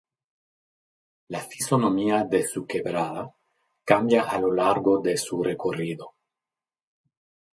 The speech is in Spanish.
La fisonomía de su quebrada, cambia a lo largo de su recorrido.